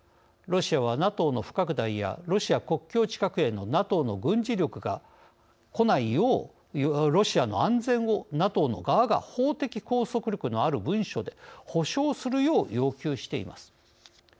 ロシアはＮＡＴＯの不拡大やロシア国境近くへのＮＡＴＯの軍事力がこないようロシアの安全をＮＡＴＯの側が法的拘束力のある文書で保障するよう要求しています。